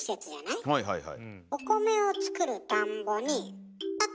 はいはいはい。